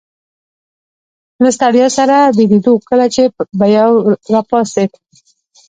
له ستړیا سره بیدېدو، کله چي به یو راپاڅېد.